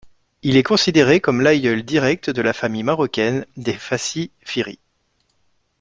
Il est considéré comme l'aïeul direct de la famille marocaine des Fassi Fihri.